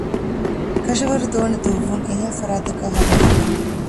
ކަށަވަރު ދޯނި ދުއްވުން އެހެން ފަރާތަކާއި ޙަވާލުކުރުން